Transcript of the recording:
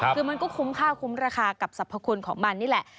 คือมันก็คุ้มค่าคุ้มราคากับสรรพคุณของมันนี่แหละ